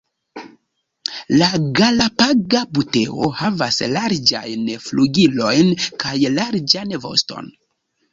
La Galapaga buteo havas larĝajn flugilojn kaj larĝan voston.